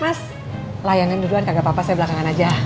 mas layanin duluan kagak apa apa saya belakangan aja